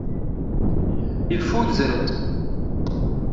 Yeffunzer-d.